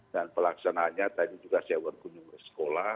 dan pelaksanaannya tadi juga saya berkunjung ke sekolah